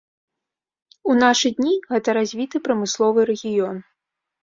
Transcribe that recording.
У нашы дні гэта развіты прамысловы рэгіён.